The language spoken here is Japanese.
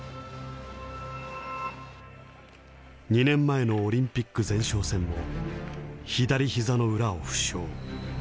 ２年前のオリンピック前哨戦も左ひざの裏を負傷。